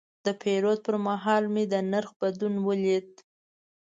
د پیرود پر مهال مې د نرخ بدلون ولید.